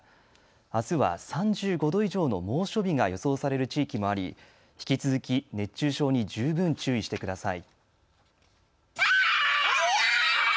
あすは３５度以上の猛暑日が予想される地域もあり、引き続き熱中症に十分注意してください。